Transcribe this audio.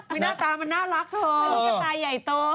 มีหน้าตามันน่ารักเธอตุ๊กตาใหญ่โต